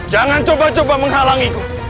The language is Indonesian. jangan coba coba menghalangiku